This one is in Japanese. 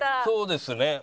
そうですね。